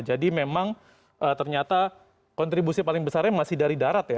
jadi memang ternyata kontribusi paling besarnya masih dari darat ya